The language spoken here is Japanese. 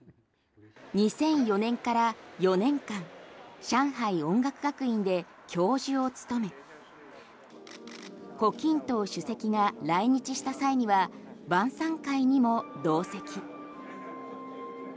２００４年から４年間上海音楽学院で教授を務め胡錦涛主席が来日した際には晩餐会にも同席。